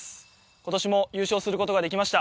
今年も優勝することができました。